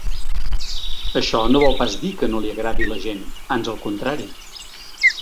Això no vol pas dir que no li agradi la gent, ans al contrari.